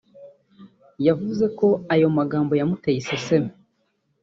wavuze ko ayo magambo yamuteye iseseme